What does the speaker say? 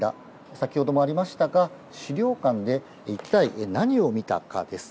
先ほどもありましたが、資料館で一体何を見たかです。